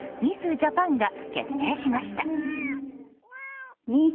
・ジャパンが決定しました。